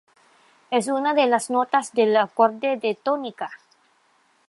Es una de las notas del acorde de tónica.